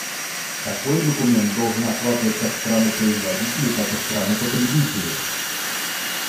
Такой документ должен охватывать как страны-производители, так и страны-потребители.